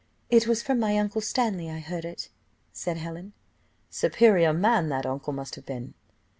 "It was from my uncle Stanley I heard it," said Helen. "Superior man that uncle must have been."